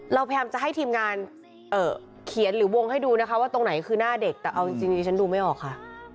เราพยายามจะให้ทีมงานเขียนหรือวงให้ดูนะคะว่าตรงไหนคือหน้าเด็กแต่เอาจริงดิฉันดูไม่ออกค่ะ